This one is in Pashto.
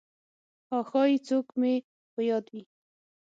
«ها… ښایي څوک مې په یاد وي!»